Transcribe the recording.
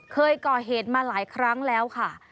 เคยก่อเหตุมาหลายครั้งแล้วค่ะ